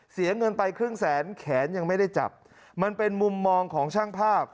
เสียเงินไปครึ่งแสนแขนยังไม่ได้จับมันเป็นมุมมองของช่างภาพ